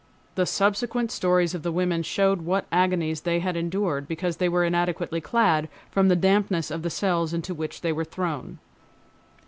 The subsequent stories of the women showed what agonies they had endured, because they were inadequately clad, from the dampness of the cells into which they were thrown.